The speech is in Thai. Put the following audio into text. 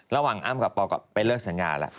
ระหว่างอ้างกับปอลก็ไปเลิกสัญญาแล้ว